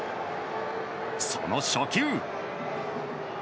その初球。